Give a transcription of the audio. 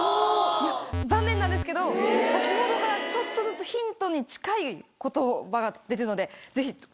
残念なんですけど先ほどからちょっとずつヒントに近い言葉が出てるのでぜひ続きを。